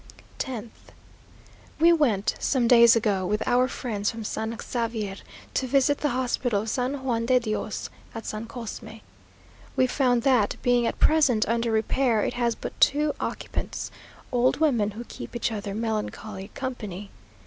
10th. We went, some days ago, with our friends from San Xavier, to visit the hospital of San Juan de Dios, at San Cosme. We found that, being at present under repair, it has but two occupants, old women who keep each other melancholy company.